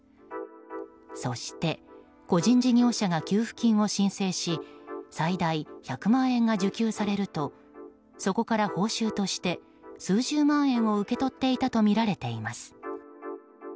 そして個人事業者が給付金を申請し最大１００万円が受給されるとそこから報酬として数十万円を受け取っていたとみられています。